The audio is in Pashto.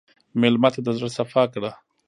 مېلمه ته د زړه صفا کړه.